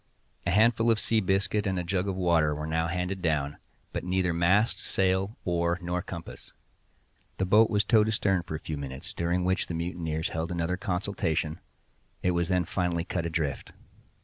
A handful of sea biscuit and a jug of water were now handed down; but neither mast, sail, oar, nor compass. The boat was towed astern for a few minutes, during which the mutineers held another consultation—it was then finally cut adrift.